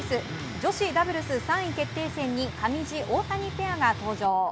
女子ダブルス３位決定戦に上地、大谷ペアが登場。